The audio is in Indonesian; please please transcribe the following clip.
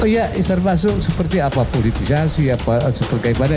ya serba seperti apa politisasi apa seperti apa